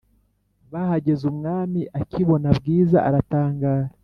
bahageze umwami akibona bwiza aratangara